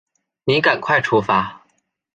你赶快出发